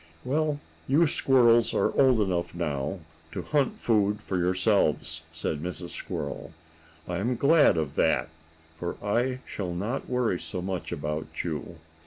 "Well, you squirrels are old enough now, to hunt food for yourselves," said Mrs. Squirrel. "I am glad of that, for I shall not worry so much about you.